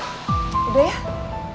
kasian kalau reva sampai nunggu